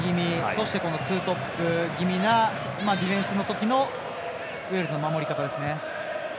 そして、ツートップ気味なディフェンスの時のウェールズの守り方ですね。